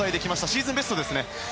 シーズンベストですね。